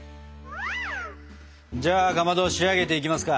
じゃあかまど仕上げていきますか！